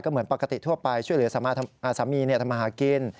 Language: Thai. เหมือนปกติทั่วไปช่วยเหลือสามีทำมาหากิน